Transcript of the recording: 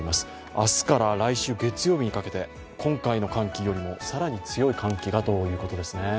明日から来週月曜日にかけて、今回の寒気よりも更に強い寒気がということですね。